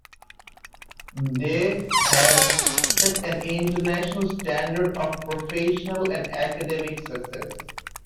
They have set an international standard of professional and academic success.